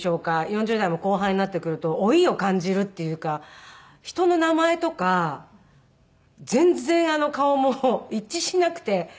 ４０代も後半になってくると老いを感じるっていうか人の名前とか全然顔も一致しなくて。